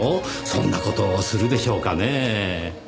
そんな事をするでしょうかねぇ。